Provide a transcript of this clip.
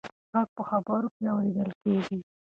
غږ په خبرو کې اورېدل کېږي.